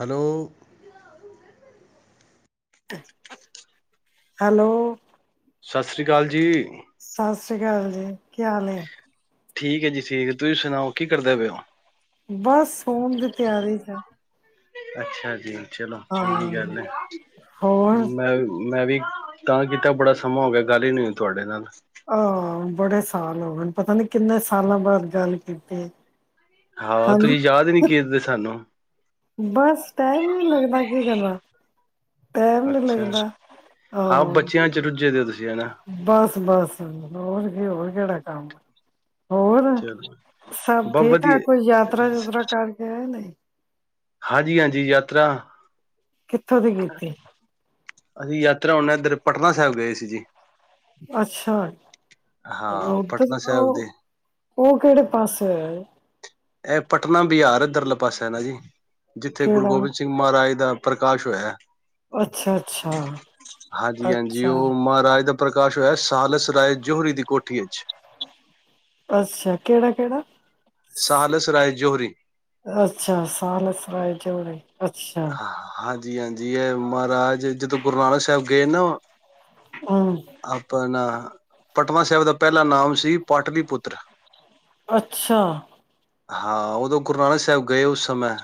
Hello hello ਸਤਿ ਸ਼੍ਰੀ ਅਕਾਲ ਜੀ ਸਤਿ ਸ੍ਰੀ ਅਕਾਲ ਜੀ ਕੀ ਹਾਲ ਠੀਕ ਹੈ ਜੀ ਠੀਕ ਹੈ ਤੁਸੀਂ ਸੁਣਾਓ ਕੀ ਕਰਦੇ ਪਏ ਹੋ ਬਸ ਸਣ ਦੀ ਤਿਆਰੀ ਅੱਛਾ ਜੀ ਚਲੋ ਹਾਂ ਚੰਗੀ ਗੱਲ ਹੈ ਹੋਰ ਮੈਂ ਮੈਂ ਵੀ ਤਾਂ ਕਿ ਕੀਤਾ ਬੜਾ ਸਮਾਂ ਹੋ ਗਿਆ ਗੱਲ ਹੀ ਨੀ ਤੁਹਾਡੇ ਨਾਲ ਆਹ ਬੜੇ ਸਾਲ ਹੋ ਗਏ ਪਤਾ ਨੀ ਕਿੰਨੇ ਸਾਲਾਂ ਬਾਅਦ ਗੱਲ ਕੀਤੀ ਹਾਂ ਹਨਾ ਤੁਸੀਂ ਯਾਦ ਹੀ ਨੀ ਕੀਰਦੇ ਸਾਨੂੰ ਬਸ ਟਾਇਮ ਨ ਲੱਗਦਾ ਕੀ ਕਰਨਾ ਟੈਮ ਨੀ ਅੱਛਾ ਲੱਗਦਾ ਹਾਂ ਬੱਚਿਆਂ ਚ ਰੁੱਝੇ ਦੇ ਹੋ ਤੁਸੀਂ ਹਨਾ ਬਸ ਬਸ ਹੋਰ ਇਹ ਹੋਰ ਕਿਹੜਾ ਕੰਮ ਹੋਰ ਚਲੋ ਸਭ ਬਹੁਤ ਠੀਕ ਠ ਵਧੀਆ ਕੋਈ ਯਾਤਰਾ ਯੂਤਰਾ ਕਰਕੇ ਨਹੀਂ ਹਾਂਜੀ ਹਾਂਜੀ ਯਾਤਰਾ ਕਿੱਥੋਂ ਦੀ ਕੀਤੀ ਅਸੀਂ ਯਾਤਰਾ ਆਨਾ ਇੱਧਰ ਪਟਨਾ ਸਾਹਿਬ ਗਏ ਸੀ ਜੀ ਅੱਛਾ ਹਾਂ ਉਧਰ ਪਟਨਾ ਸਾਹਿਬ ਦੇ ਉਹ ਕਿਹੜੇ ਪਾਸੇ ਹੈ ਇਹ ਪਟਨਾ ਬਿਹਾਰ ਇੱਧਰਲੇ ਪਾਸੇ ਨਾ ਜੀ ਜਿੱਥੇ ਗੁਰੂ ਕਿਹੜਾ ਗੋਬਿੰਦ ਸਿੰਘ ਮਹਾਰਾਜ ਦਾ ਪ੍ਰਕਾਸ਼ ਹੋਇਆ ਅੱਛਾ ਅੱਛਾ ਹਾਂਜੀ ਹਾਂਜੀ ਅੱਛਾ ਉਹ ਮਹਾਰਾਜ ਦਾ ਪ੍ਰਕਾਸ਼ ਹੋਇਆ ਸਾਲਸ ਰਾਏ ਜੋਹਰੀ ਦੀ ਕੋਠੀ ਅੱਛਾ ਕਿਹੜਾ ਕਿਹੜਾ ਸਾਾਹਲਸ ਰਾਏ ਜੋਹਰੀ ਅੱਛਾ ਸਾਲਸ ਰਾਏ ਜੋੜ ਅੱਛਾ ਜੀ ਹਾਂਜੀ ਹੈ ਮਹਾਰਾਜ ਜਦੋਂ ਗੁਰੂ ਨਾਨਕ ਸਾਹਿਬ ਗਏ ਨਾ ਹਮ ਅਪਨਾ ਪਟਨਾ ਸਾਹਿਬ ਦਾ ਪਹਿਲਾ ਨਾਮ ਸੀ ਪਾਟਲੀ ਪੁੱਤਰ ਅੱਛਾ ਹਾਂ ਉਦੋਂ ਗੁਰੂ ਨਾਨਕ ਸਾਹਿਬ ਗਏ ਉਸ ਸਮੇਂ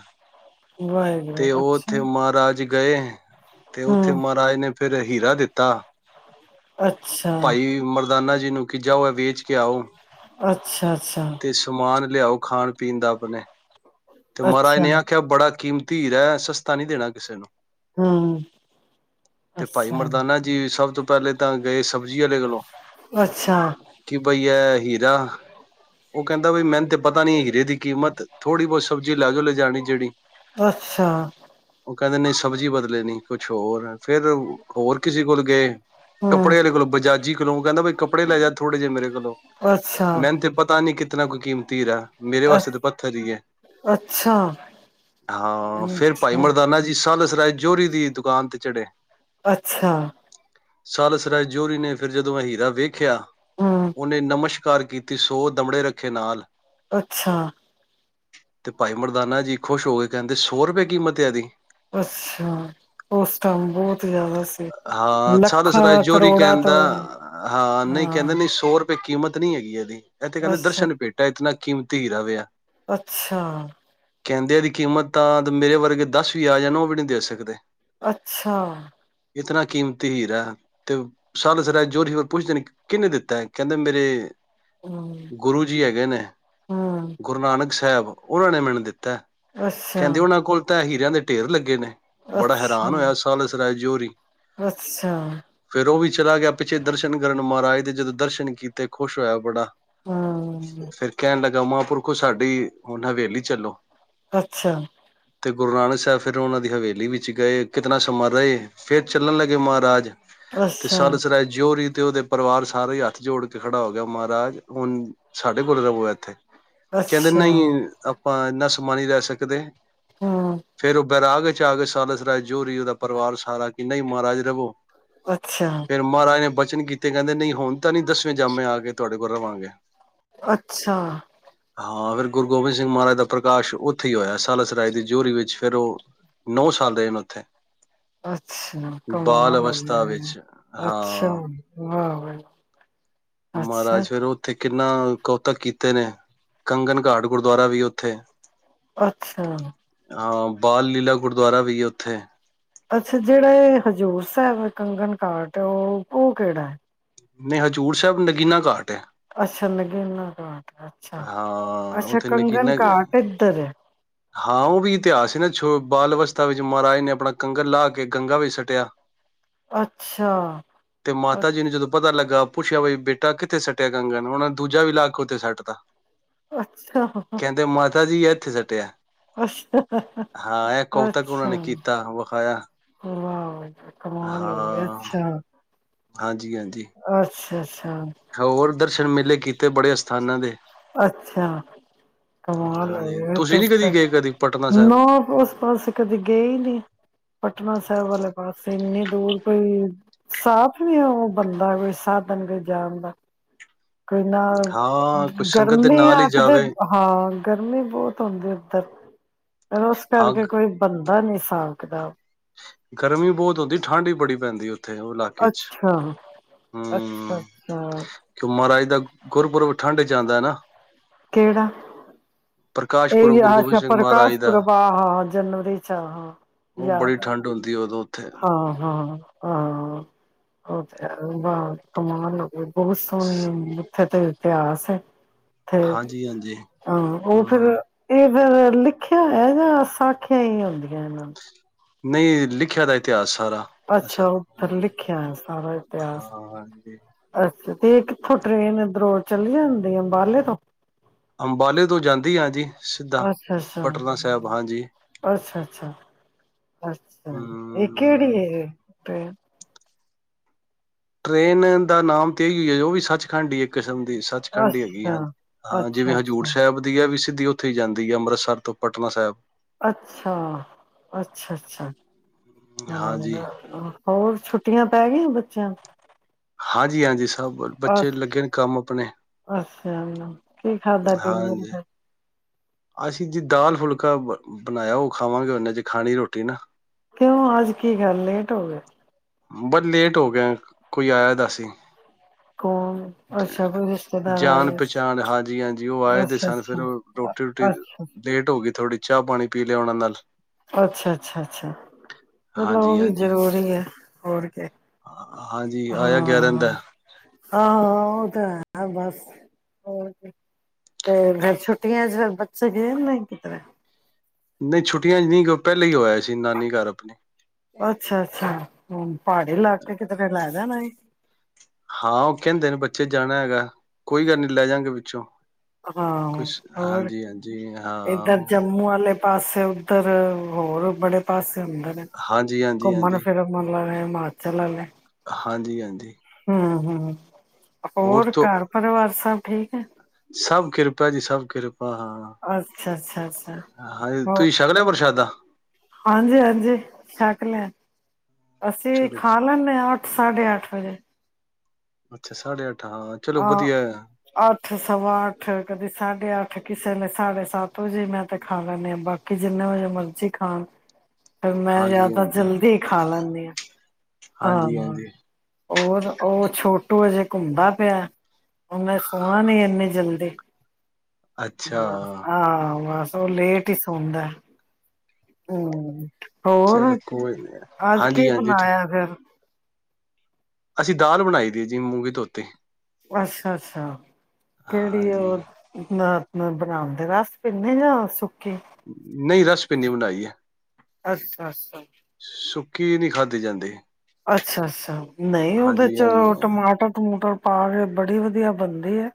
ਵਾਹਿਗੁਰੂ ਤੇ ਉਹ ਅੱਛਾ ਉੱਥੇ ਮਹਾਰਾਜ ਗਏ ਤੇ ਉੱਥੇ ਹਮ ਮਰ ਆਏ ਨੇ ਫੇਿਰ ਹੀਰਾ ਦਿੱਤਾ ਅੱਛਾ ਭਾਈ ਮਰਦਾਨਾ ਜੀ ਜ ਨੂੰ ਕਿ ਜਾਓ ਵੇਚ ਕੇ ਆਓ ਅੱਛਾ ਅੱਛਾ ਤੇ ਸਮਾਨ ਲਿਆਓ ਖਾਣ ਪੀਣ ਦਾ ਆਪਣੇ ਤੇ ਮਹਾਰਾਜ ਅੱਛਾ ਨੇ ਆਖਿਆ ਬੜਾ ਕੀਮਤ ਧੀਰ ਹੈ ਸਸਤਾ ਨੀ ਦੇਣਾ ਕਿਸੇ ਨੂੰ ਹਮ ਤੇ ਭਾਈ ਅੱਛਾ ਮਰਦਾਨਾ ਜੀ ਸਭ ਤੋਂ ਪਹਿਲੇ ਤਾਂ ਗ ਸਭ ਬੁਝੀ ਲਗਲ ਅੱਛਾ ਕਿ ਬਈਆ ਹੀਰਾ ਉਹ ਕਹਿੰਦਾ ਬ ਮੈਨੂੰ ਤੇ ਪਤਾ ਨੀ ਹੀਰੇ ਦੀ ਕੀਮਤ ਥੋੜ੍ਹੀ ਬਹੁਤ ਸਬਜ਼ੀ ਲੈ ਜਾਓ ਲੈਜਾਣੀ ਜਿਹੜੀ ਅੱਛਾ ਉਹ ਕਹਿੰਦੇ ਨਹੀਂ ਸਬਜ਼ੀ ਬਦਲੇ ਨੀ ਕੁਛ ਹੋਰ ਫੇਿਰ ਹੋਰ ਕਿਸੇ ਕੋਲ ਗਏ ਹਮ ਕੱਪੜੇ ਵਾਲੇ ਕੋਲੋਂ ਬਜਾਜੀ ਕੋਲੋਂ ਕਹਿੰਦਾ ਵੀ ਕੱਪੜੇ ਲੈ ਜਾ ਥੋੜੇ ਜਿਹੇ ਮੇਰੇ ਕੋਲੋਂ ਅੱਛਾ ਮੈਨੂੰ ਤੇ ਪਤਾ ਨੀ ਕਿ ਕਿਤਨਾ ਕੋਈ ਕੀਮਤੀ ਰ ਹੈ ਮੇਰੇ ਅ ਵਾਸਤੇ ਤਾਂ ਪੱਥਰ ਜ ਹੈ ਅੱਛਾ ਹਾਂ ਫੇਰ ਭਾਈ ਅੱਛਾ ਮਰਦਾਨਾ ਜੀ ਸਾਲ ਸ ਰਾਜੌਰੀ ਦੀ ਦੁਕਾਨ ਤੇ ਚੜੇ ਅੱਛਾ ਸਾਲਸ ਰਾਏ ਜੋਹਰੀ ਨੇ ਫਿਰ ਜਦੋਂ ਅ ਹੀਰਾ ਵੇਖਿਆ ਹਮ ਉਹਨੇ ਨਮਸ਼ਕਾਰ ਘ ਕੀਤੀ ਸੋ ਦਮੜੇ ਰੱਖੇ ਨਾਲ ਅੱਛਾ ਤੇ ਭਾਈ ਮਰਦਾਨਾ ਜੀ ਖੁਸ਼ ਹੋ ਗਏ ਕਹਿੰਦੇ ਸੌ ਰੁਪਏ ਕੀਮਤ ਆਦੀ ਅੱਛਾ ਉਸ ਟਾਈਮ ਬਹੁਤ ਜ਼ਿਆਦਾ ਸੀ ਲ ਰਾ ਜੋਰੀ ਕਹਿੰਦਾ ਹਾਂ ਨਹੀਂ ਕਹਿੰਦੇ ਨਹੀਂ ਸੋਰ ਕੀਮਤ ਨਹੀਂੀ ਹੈਗੀ ਇਹਦੀ ਆਥੇਹਿੰਦਾ ਅੱਛਾ, ਦਰਸ਼ਨ ਪੇਠ ਆਏਤ ਨਾ ਕੀਮ ਧ ਹੀ ਦਾਵੇਿਆ ਅੱਛਾ ਕਹਿੰਦੇ ਦੀ ਕੀਮਤ ਤਾਂ ਮੇਰੇ ਵਰਗੇ ਦੱਸ ਵੀ ਆ ਜਾਣ ਉਹ ਵੀ ਨਹੀਂ ਦੇ ਸਕਦੇ ਅੱਛਾ ਇਤਨਾ ਕਿਮ ਹੀਰ ਹੈ ਤੇ ਸਾਲਸਰਾ ਜੋਰੀ ਹੋਰ ਪੁੱਛਦੇ ਨੇ ਕਿਹਨੇ ਦਿੱਤਾ ਕਹਿੰਦੇ ਮੇਰੇ ਹੂੰ। ਗੁਰੂ ਜੀ ਹੈਗੇ ਨੇ, ਹੂੰ, ਗੁਰੂ ਨਾਨਕ ਸਾਹਿਬ ਉਹਨਾਂ ਨੇ ਮੈਨ ਦਿੱਤਾ ਅੱਛਾ, ਕਹਿੰਦੇ ਉਹਨਾਂ ਕੋਲ ਤਾਂ ਇ ਹੀ ਦੇ ਢੇਰ ਲੱਗੇ ਨੇ ਬੜਾ ਅੱਛਾ, ਹੈਰਾਨ ਹੋਇਆ ਸਾਲ ਇਸ ਰਾ ਜੋ ਹੋਰੀ ਅੱਛਾ, ਫੇਰ ਉਹ ਵੀ ਚਲਾ ਗਿਆ ਪਿੱਛੇ ਦਰਸ਼ਨ ਕਰਨ ਮਹਾਰਾਜ ਦੇ ਜਦੋਂ ਦਰਸ਼ਨ ਕੀਤੇ ਖੁਸ਼ ਹੋਇਆ ਬੜਾ ਹੂੰ। ਫੇਰ ਕਹਿਣ ਲੱਗਾ ਸਾਡੀ ਹੁਣ ਹਵੇਲੀ ਚੱਲੋ। ਅੱਛਾ ਤੇ ਗੁਰੂ ਨਾਨਕ ਸਾਹਿਬ ਫਿਰ ਉਹਨਾਂ ਦੀ ਹਵੇਲੀ ਵਿੱਚ ਗਏ, ਕਿਤਨਾ ਸਮਾਂ ਰਹੇ ਫਿਰਰ ਚੱਲਣ ਲੱਗੇ ਮਹਾਰਾਜ ਤੇ ਅੱਛਾ, ਸਾਲਸ ਰਾਏ ਜੋਓਰੀ ਤੇ ਉਹਦੇ ਪਰਿਵਾਰ ਸਾਰੇ ਹੀ ਹੱਥ ਜੋੜ ਕੇ ਖੜਾ ਹੋ ਗਿਆ ਮਹਾਰਾਜ ਹੁਣ ਸਾਡੇ ਕੋਲ ਰਵੋ ਹੈ ਇੱਥੇ। ਕਹਿੰਦੇ ਅੱਛਾ, ਨਹੀਂ ਆਪਾਂ ਨ ਸਮ ਨਹੀਂ ਲੈ ਸਕਦੇ ਹੂੰ, ਫੇਿਰ ਉਹ ਬੈਰਾਗ ਚ ਆ ਕੇ ਸਾਲਸ ਰਾਜ ਜੋਰੀ ਉਹਦਾ ਪਰਿਵਾਰ ਸਾਰਾ ਕਿ ਨਹੀਂ ਮਹਾਰਾਜਾ ਦੇੋ ਅੱਛਾ। ਫੇਰ ਮਹਾਰਾਜ ਨੇ ਬਚੇ ਬਚਨ ਕੀਤੇ ਕਹਿੰਦੇ ਨਹੀਂ ਹੁਣ ਤਾਂ ਨੀ ਦੱਸਵੇਂ ਜਾਮੇ ਆ ਕੇ ਤੁਹਾਡੇ ਕੋਲ ਰਵਾਂਗੇ। ਅੱਛਾ, ਹਾਂ ਫਿਰ ਗੁਰੂ ਗੋਬਿੰਦ ਸਿੰਘ ਮਹਾਰਾਜ ਦਾ ਪ੍ਰਕਾਸ਼ ਉੱਥੇ ਹੀ ਹੋਇਆ ਸਾਲਾਸਰਾਏ ਦੀ ਜੋਹਰੀ ਵਿੱਚ, ਫੇਰ ਉਹ ਨੌ ਸਾਲ ਰਹੇ ਨੇ ਉੱਥੇ। ਅੱਛਾ ਬਾਲ ਕਮਾਲ ਹੋ ਅਵਸਥਾ ਗਈ। ਵਿੱਚ, ਅੱਛਾ, ਹਾਂ ਵਾਹ ਵਾਹ, ਅੱਛਾ, ਨੇ ਕੰਗਣ ਘਾਟ ਗੁਰਦੁਆਰਾ ਵੀ ਉੱਥੇ ਅੱਛਾ ਹਾਂ ਬਾਲ ਲੀਲਾ ਗੁਰਦੁਆਰਾ ਵੀਈ ਆ ਉੱਥੇ ਅੱਛਾ ਜਿਹੜਾ ਇਹ ਹਜ਼ੂਰ ਸਾਹਿਬ ਕੰਗਣ ਘਾਟ ਉਹ ਉਹ ਕਿਹੜਾ ਹੈ। ਨਹੀਂ ਹਜ਼ੂਰ ਸਾਹਿਬ ਨਗੀਨਾ ਘਾਟ ਹੈ। ਅੱਛਾ ਨਗੀਨਾ ਘਾਟ। ਹੈ। ਅੱਛਾ, ਹਾਂ ਅੱਛਾ ਉੱਥੇ ਕੰਗਨ ਨਗੀਨਾ ਘਾਟ ਇੱਧਰ ਹੈ। ਹਾਂ ਉਹ ਵੀ ਇਤਿਹਾਸ ਸੀ ਨਾ ਜੋ ਬਾਲ ਅਵਸਥਾ ਵਿੱਚ ਮਹਾਰਾਜ ਨੇ ਆਪਣਾ ਕੰਗਣ ਲਾ ਕੇ ਗੰਗਾ ਵਿੱਚ ਸੱਟਿਆ ਅੱਛਾ, ਤੇ ਮਾਤਾ ਜੀ ਨੂੰ ਜਦੋਂ ਪਤਾ ਲੱਗਾ ਪੁੱਛਿਆ ਬਈ ਬੇਟਾ ਕਿੱਥੇ ਸੱਟਿਆ ਕੰਗਣ, ਉਹਨਾ ਨੇ ਦੂਜਾ ਵੀ ਲਾ ਕੇ ਉੱਥੇ ਸੁੱਟਤਾ। ਅੱਛਾ, ਕਹਿੰਦੇ ਮਾਤਾ ਜੀ ਹੈ ਕਿੱਥੇ ਸਟਿਆ ਅੱਛਾ, ਹਾਂ ਇਹ ਕਵਤਕ ਉਹਨਾਂ ਅੱਛਾ ਨੇ ਕੀਤਾ ਵਿਖਾਇਆ ਕਮਾ ਲਈ ਆ ਹਾਂ ਅੱਛਾ ਹਾਂਜੀ ਹਾਂਜੀ ਹਾਂਜੀ ਹਾਂ ਹੋਰ ਦਰ ਦਸ਼ਨਣ ਮੇਲੇ ਕੀਤੇ ਬੜੇ ਸਥਾਨਾਂ ਦੇ ਅੱਛਾ ਕਮਾ ਲ ਹਾਂਜੀ ਤੁਸੀਂ ਨੀ ਕਦੀ ਗਏ ਕਦੀ ਪਟਨਾ ਨ ਸਾਹਿਬ ਉਸ ਪਾਸੇ ਕਦੇ ਗਏ ਨੀ ਪਟਨਾ ਸਾਹਿਬ ਵਾਲੇ ਪਾਸੇ ਇੰਨੀ ਦੂਰ ਕੋਈ ਸਾਫ਼ ਨੀ ਉਹ ਬੰਦਾ ਕੋਈ ਸਾਧਨ ਕੋਈ ਜਾਣ ਦਾ ਕੋਈ ਨਾ ਹਾਂ ਕੋਈ ਸੰਗਤ ਦੇ ਗਰਮੀ ਨਾਲ ਹੀ ਆਖਦੇ ਜਾਵੇ ਹਾਂ ਗਰਮੀ ਬਹੁਤ ਹੁੰਦੀ ਹੈ [unintelligible] ਉਸ ਹਾਂ ਕਰਕੇ ਕੋਈ ਬੰਦਾ ਨਹੀਂੀ ਸੀ ਹਿਸਾਬ ਕਿਤਾਬ ਗਰਮੀ ਬਹੁਤ ਹੁੰਦੀ ਠੰਢਡ ਹੀ ਬੜੀ ਪੈਂਦੀ ਉਥੇ ਥ ਉਹ ਇਲਾਕੇ ਚ ਅੱਛਾ, ਅੱਛਾ, ਹਮ ਅੱਛਾ ਕਿਉ ਮਾਰਾਜ ਦਾ ਗੁਰਪੁਰਬ ਠੰਢ ਜਾਂਦਾ ਨਾ ਕਿਹੜਾ ਪ੍ਰਕਾਸ਼ ਪੁਰਬ ਇਹ ਗੁਰੂ ਗੋਬਿੰਦ ਅੱਛਾ ਸਿੰਘ ਮਹਾਰਾਜ ਪ੍ਰਕਾਸ਼ ਦਾ ਪੁਰਬ ਆਹ ਹ ਜਨਵਰੀ ਚ ਆ ਹਾਂ ਉਹ ਬੜੀ ਯਦ ਠੰਢ ਹੁੰਦੀ ਉਦੋਂ ਉੱਥੇ ਹਾਂ ਹਾਂ ਹਾਂਬ ਕਮਾਲ ਬਹੁਤ ਸਮਯ ਥੇ ਤੇ ਇਤਿਹਾਸ ਹੈ ਤੇੇ ਹਾਂਜੀ ਹਾਂਜੀ ਹਾਂ ਉਹ ਫਿਰ ਹਮ ਇਹ ਫਿਰ ਲਿਖਿਆ ਹੈ ਜਾਂ ਸਾਖੀਆਂ ਹੀ ਆਉਦੀਆਂ ਇਹਨਾਂ ਨੂੰ ਨਹੀਂ ਲਿਖਿਆ ਦਾ ਇਤਿਹਾਸ ਅੱਛਾ ਉਹ ਫਿਰ ਲਿਖਿਆ ਹੈ ਸਾਰਾ ਹਾਂ ਇਤਿਹਾਸ ਹਾਂਜੀ ਅ ਤੇ ਕਿੱਥੋਂ ਟ੍ਰੇਨ ਦਰੋੜ ਚੱਲ ਜਾਂਦੀ ਅੰਬਾਲੇ ਤੋਂ ਅੰਬਾਲੇ ਤੋਂ ਜਾਂਦੀ ਆਾਂ ਜੀ ਸਿੱਧਾ ਅੱਛਾ ਅੱਛਾ ਪਟਨਾ ਸਾਹਿਬ ਹਾਂਜੀ ਅੱਛਾ ਅੱਛਾ ਅਛਾ ਇਹ ਹਮ ਕਿਹੜੀ ਅਤੇ ਟ੍ਰਰੇਨ ਦਾ ਨਾਮ ਤੇ ਇਹੀ ਹੋ ਹੈ ਉਹ ਵੀ ਸੱਚਖੰਡੀ ਹੀ ਇੱਕ ਕਿਸਮ ਸੱਚਖੰਡ ਹੀ ਹੈਗੀ ਅੱਛਾ, ਹਾਂਜੀ ਹਾਂ ਜਿਵੇਂ ਅੱਛਾ, ਹਜ਼ੂਰ ਅੱਛਾ, ਸਾਹਿਬ ਦੀ ਹੈ ਵੀ ਸਿੱਧੀ ਉੱਥੇ ਹੀ ਜਾਂਦੀ ਹੈ ਅੰਮ੍ਰਿਤਸਰ ਤੋਂ ਪਟਨਾ ਸਾਹਿਬ ਅੱਛਾ ਅੱਛਾ ਅੱਛਾ ਹਾਂਜੀ ਹਾਂ ਹੋਰ ਛੁੱਟੀਆਂ ਪੈ ਗਈਆਂ ਬੱਚਿਆਂ ਹਾਂਜੀ ਹਾਂਜੀ ਸਭ ਬੱਚੇ ਲੱਗੇ ਨੇ ਕੰਮ ਆਪਣੇ ਸ [unintelligible] ਕੀ ਖਾਦਾਾ ਡਨਰ ਹਾਂਜੀ ਫ ਅਸੀਂ ਜੀ ਦਾਲ ਫੁਲਕਾ ਬ ਬਣਾਇਆ ਉਹ ਖਾਵਾਂਗੇ ਉਹਨੇ ਜੇ ਖਾਣੀ ਰੋਟੀ ਨਾ ਕਿਉਂ ਅੱਜ ਕੀ ਖੱਲ ਲੇਟ ਹੋ ਗਏ ਬਸ ਲੇਟ ਹੋ ਗਿਆ ਕੋਈ ਆਇਆਦਾ ਸੀ ਕੌਣ ਅੱਛਾ ਕੋਈ ਰਿਸ਼ਤੇਦਾਰ ਜਾਣ ਆਏ ਸੀ। ਪਚਾਣ ਹਾਂਜੀ ਹਾਂਜੀ ਉਹ ਆਏ ਦੇ ਅੱਛਾ, ਸਨ ਫੇਿਰ ਅੱਛਾ, ਉਹ ਰੋਟੀ ਰੋਟੀ ਅੱਛਾ। ਲੇਟ ਹੋ ਗਈ ਥੋੜ੍ਹੀ ਚਾਹ ਪਾਣੀ ਪੀ ਲਿਆ ਉਹਨਾਂ ਨਾਲ ਅੱਛਾ ਅੱਛਾ ਅੱਛਾ ਚਲੋ ਉਹ ਵੀ ਹਾਂਜੀ-ਹਾਂਜੀ। ਜ਼ਰੂਰੀ ਹੈ ਹੋਰ ਕੇ। ਹਾਂਜੀ ਆਇਆ ਗਿਆਰਨ ਦਾ ਹਾਂ ਉਹ ਤਾਂ ਹੈ ਬਸ ਹੋਰ ਤੇ ਫਰ ਛੁੱਟੀਆਂ ਚ ਫਿਰ ਬੱਚੇ ਗਏ ਨਹੀਂ ਕਿਸ ਤਰ੍ਹਾਂ ਨਹੀਂ ਛੁੱਟੀਆਂ ਨਹੀਂ ਪਹਿਲੇਾਂ ਹੀ ਹੋਇਆ ਸੀ ਨਾਨੀ ਘਰ ਆਪਣੀ ਅੱਛਾ ਅੱਛਾ ਹਮ ਪਹਾੜੀ ਇਲਾਕੇ ਕਿਤੇ ਫ ਲੈ ਜਾਣਾ ਸੀ ਹਾਂ ਉਹ ਕਹਿੰਦੇ ਨੇ ਬੱਚੇ ਜਾਣਾ ਹੈਗਾ ਕੋਈ ਗੱਲ ਨੀ ਲੈ ਜਾਗੇ ਪੋਂ ਹਾਂ ਹੋਰ ਇੱਧਰ ਹਾਂ। ਜੰਮੂ ਵਾਲੇ ਪਾਸੇ ਉੱਧਰ ਹੋਰ ਬੜੇ ਪਾਸੇ ਹੁੰਦੇ ਨੇ ਹਾਂਜੀ-ਹਾਂਜੀ, ਘੁੰਮਣ ਫਿਰਨ ਮਤ ਲ ਹਿਮਾਚਲੱਲ ਹਾਂਜੀ ਹਾਂਜੀ ਹਮ ਹਮ ਹੋਰ ਘਰ ਪਰਿਵਾਰ ਸਭ ਠੀਕ ਹੈ ਸਭ ਕਿਰਪਾ ਜੀ ਸਭ ਕਿਰਪਾ ਆਹ ਅੱਛਾ-ਅੱਛਾ-ਅੱਛਾ ਹਾਂ ਹਾਂ ਤੁਸੀਂ ਸ਼ਕਲਿਆ ਪ੍ਰਸ਼ਾਦਾ ਹਾਂਜੀ ਹਾਂਜੀ ਸ਼ਕ ਲੈਣ ਅਸੀਂ ਚਲੋ ਖਾ ਲੈਂਦੇ ਹਾਂ ਅੱਠ ਸਾਢੇ ਅੱਠ ਵਜੇ ਅੱਛਾ ਸਾਢੇ ਅੱਠ ਹਾਂ, ਚਲੋ ਵਧੀਆ ਹਾਂ ਅੱਠ ਸਵਾ ਅੱਠ ਕਦੀ ਸਾਢੇ ਅੱਠ ਕਿਸੇ ਨੇ ਸਾਢੇ ਸੱਤ ੋ ਜੇ ਮੈਂ ਤੇ ਖਾ ਲੈਂੇ ਹਾਂ ਬਾਕੀ ਜਿੰਨੇ ਵਜੇ ਮਰਜ਼ੀ ਖਾਣ ਫ ਮੈਂ ਯ ਤਾਂ ਹਾਂਜੀ-ਹਾਂਜੀ। ਜਲਦੀ ਹੀ ਖਾ ਲੈਂਦੀ ਹਾਂ ਹਾਂ ਹਾਂਜੀ-ਹਾਂਜੀ, ਔਰ ਉਹ ਛੋਟੋ ਹੈਜੇਹੇ ਘੁੰਦਾ ਪਿਆ ਹੁ ਮੈਂ ਸੋਹਣਾ ਨੀ ਇੰਨੇ ਜਲਦੀ ਅੱਛਾ [unintelligible] ਉਹ ਲੇਟ ਹੀ ਸੌਦਾ ਹਮ [unintelligible] ਹੋਰ ਚਲੋ ਕੋਈ ਨੀ ਅਜ ਕੀ ਹਾਂਜੀ-ਹਾਂਜੀ ਠੀਕ ਬਣਾਇਆ ਫਰ ਅਸੀਂ ਦਾਲ ਬਣਾਈ ਦੀ ਹੈ ਜੀ ਮੂੰਗੀ ਧੋਤੇ ਅੱਛਾ ਅੱਛਾ ਕਿਹੜੀ ਹਾਂਜੀ ਉਹ ਨਾ ਬਣਾਉਂਦੇ ਰਸ ਪੀਨੇ ਜਾਂ ਨਹੀਂ ਰਸ ਪਿੰਨੀ ਬਣਾਈ ਏ ਅੱਛਾ ਅੱਛਾ ਕੀ ਨਹੀਂੀ ਖਾਧੀ ਜਾਂਦੇ ਅੱਛਾ ਅੱਛਾ ਨਹੀਂ ਉਹਦੇ ਚ ਹਾਂਜੀ-ਹਾਂਜੀ ਟਮਾਟਰ ਟਮੂਟਰ ਪਾ ਕੇ ਬੜੀ ਵਧੀਆ ਬਣਦੀ ਹੈ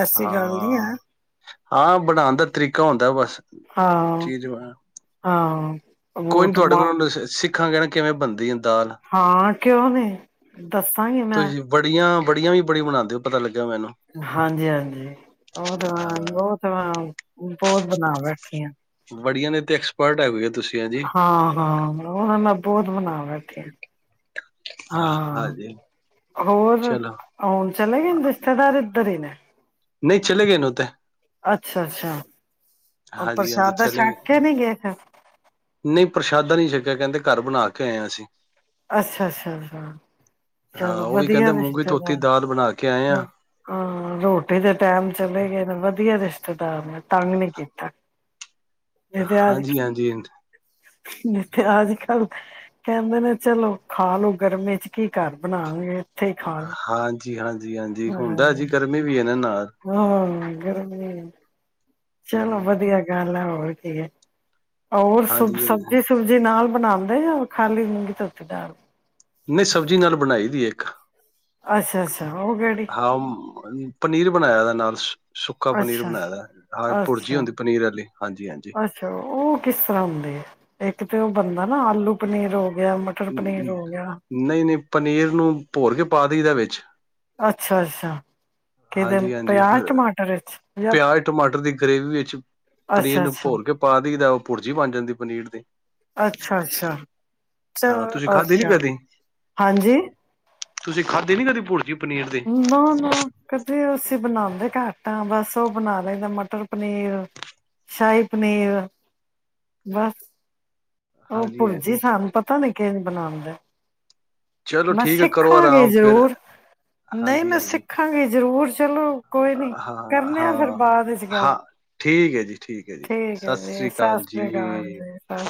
ਐਸੀ ਗੱਲ ਨ ਹੈ ਹਾਂ ਬਣਾਉਣ ਦਾ ਤਰੀਕਾ ਹੁੰਦਾ ਬਸ ਹਾਂ ਚੀਜ਼ ਬਣਾ- ਹਾਂ ਕੋਈ ਉਹ ਨੀ ਤੁਹਾਡੇ ਟਮਾ ਕੋਲ ਸਿੱਖ [unintelligible] ਕਹਿਣ ਕਿਵੇਂ ਬਣਦੀਆਂ ਹਾਂ ਕਿਉਂ ਨ ਦੱਸਾਂਗੇ ਮੈਂ ਬੜੀਆਂ ਵੀ ਬੜੀ ਬਉਂਦੇ ਹੋ ਪਤਾ ਲੱ ਹਾਂਜੀ ਹਾਂਜੀ ਬਤ ਹਾਂ ਬਹੁਤ ਬਹੁਤ ਬਣਾ ਬੈਠੇ ਹ ਵੜੀਆਂ ਨੇ ਤੇ ਐਕਸਪਰਟ ਹੈ ਹੋੂਏ ਤੁਸੀਂ ਹੈਂਜੀ ਹਾਂ ਹਾਂ ਉਹਨਾਂ ਨਾਲ ਬਹੁਤ ਮਨਾਵਾ [unintelligible] ਹਾਂ ਹਾਂਜੀ ਹੋਰ ਚਲੋ ਹਉਣ ਚਲੇ ਗਏ ਰਿਸ਼ਤੇਦਾਰ [unintelligible] ਨਹੀਂ ਚਲੇ ਗਏ ਨ ਤਾਂ ਅੱਛਾ ਅੱਛਾ ਹਾਂਜੀ ਹਾਂਜੀ ਚਲੇ ਗਏ ਨੀ ਫਿਰ ਨਹੀਂ ਪ੍ਰਸ਼ਾਦਾ ਨਹੀਂੀ ਛਕਿਆ ਕਹਿੰਦੇ ਘਰ ਬਣਾ ਕੇ ਆਏ ਹਾਂ ਅਸੀਂ ਅੱਛਾ ਅੱਛਾ ਅੱਛਾ ਹਾਂ ਚਲੋ ਉਹ ਵੀ ਵਧੀਆ ਕਹਿੰਦੇ ਮੂੰਗੀ ਧੋਤੀ ਦਾਲ ਬਣਾ ਕੇ ਆਏ ਰਿਸ਼ਤੇਦਾਰ ਹਾਂ ਹਾਂ ਰੋਟੀ ਦੇ ਟੈਮ ਚਲੇ ਗਏ ਨੇ ਵਧੀਆ ਰਿਸ਼ਤੇ [unintelligible] ਤੰਗ ਨੀ ਕੀਤਾ ਹਾਂਜੀ ਹਾਂਜੀ ਜ ਤੇੇ ਅੱਜ ਕੱਲ ਕਹਿੰਦੇ ਨੇ ਚਲੋ ਖਾ ਲੋੋ ਗਰਮੀ ਚ ਕੀ ਘਰ ਬਣਾਾਂਗੇ [unintelligible] ਜੀ ਹਾਂਜੀ [unintelligible] ਹਾਂਜੀ ਹੁੰਦਾ ਜੀ ਗਰਮੀ ਵੀ ਨਾ ਨਾਲ ਹਾਂ ਗਰਮੀ ਚਲੋ ਹੂੰ ਵਧੀਆ ਗੱਲ ਹੈ ਉਹ ਹੋਰ ਕੀਕ ਹੈ ਹੋਰ ਸ ਹਾਂਜੀ ਹਾਂਜੀ ਸਬਜ਼ੀ ਸੁਬਜੀ ਨਾਲ ਬਣਾਉਂਦੇ ਜਾਂ ਖਾਲੀ ਮੂੰਗੀ ਤੋਤੀ ਡਾਲਦੇ ਨਹੀਂ ਸਬਜ਼ੀ ਨਾਲ ਬਣਾਈ ਦੀ ਇੱਕ ਅੱਛਾ ਅੱਛਾ ਉਹ ਕਿਹੜੀ ਹਾਂ ਪਨੀਰ ਬਣਾਇਆ ਦਾ ਨਾਲ ਸੁੱਕਾ ਪਨੀਰ ਅੱਛਾ ਬਣਾਇਆ ਦਾ ਹਾਂ ਭੁਰਜੀ ਅੱਛਾ। ਹੁੰਦੀ ਪਨੀਰ ਵਾਲੀ ਹਾਂਜੀ ਹਾਂਜੀ ਅੱਛਾ ਉਹ ਕਿਸ ਤਰ੍ਹਾਂ ਹੁੰਦੇ ਆ ਇੱਕ ਤੇ ਉਹ ਬਣਦਾ ਨਾ ਆਲੂ ਪਨੀਰ ਉਹ ਨਹੀਂ ਨਹੀਂ ਪਨੀਰ ਨੂੰ ਭੋਰ ਕੇ ਪਾ [unintelligible] ਵਿੱਚ ਅੱਛਾ ਅੱਛਾ ਕਿਦੇ ਹਾਂਜੀ ਹਾਂਜੀ ਪਿਆਜ ਫਿਰ ਟਮਾਟਰ ਵਿੱਚ ਜਾਂ ਪਿਆਜ਼ ਟਮਾਟਰ ਦੀ ਗਰੇਵੀ ਵਿੱਚ ਅੱਛਾ ਪਨੀਰ ਅੱਛਾ। ਭੋਰ ਕੇ ਪਾ ਉਹ ਭੁਰਜੀ ਬਣ ਜਾਂਦੀ ਪਨੀਰ ਦੀ ਅੱਛਾ ਅੱਛਾ ਹਾਂ ਤੁਸੀਂ ਖਾਧੀ ਨੀ ਅੱਛਾ ਕਦੀ ਹਾਂਜੀ ਤੁਸੀਂ ਖਾਧ ਨੀ ਕਦੀ ਭੁਲਤੀ ਨਾ ਨਾ ਕਦੇ ਅਸੀਂ ਬਣਾਉਦੇ ਘੱਟ ਆ ਬਸ ਉਹ ਬਣਾ ਲੈਂਦਾ ਮਟਰ ਪਨੀਰ ਸ਼ਾਹੀ ਪਨੀਰ ਬਸ ਉਹ ਹਾਂਜੀ ਭੁਰਜੀ ਹਾਂਜੀ ਸਾਨੂੰ ਪਤਾ ਨੀ ਕਿਵੇ ਬਣਾਂਦੇ ਚਲੋ ਮੈਂ ਠੀਕ ਹੈ ਕਰੋ ਸਿੱਖਾਂਗੇ ਆਰਾਮ ਫਿਰ ਜ਼ਰੂਰ ਨਹੀਂ ਹਾਂਜੀ ਮੈਂ ਹਾਂਜੀ ਸਿੱਖਾਂਗੀ ਜ਼ਰੂਰ ਚਲੋ ਕੋਈ ਨੀ ਹਾਂ ਕਰਨੇ ਆ ਫਿਰ ਹਾਂ ਬਾਅਦ ਵਿੱਚ ਹਾਂ ਗੱਲ ਠੀਕ ਹੈ ਜੀ ਠੀਕ ਹੈ ਜੀ ਸਤਿ ਹੈ ਜੀ ਸ੍ਰੀ ਸਤਿ ਅਕਾਲ ਜੀ ਸ੍ਰੀ ਅਕਾਲ ਜੀ ਸਤਿ